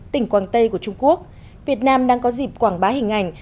tỉnh quảng tây của trung quốc việt nam đang có dịp quảng bá hình ảnh